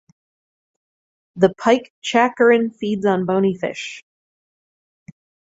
The pike characin feeds on bony fish.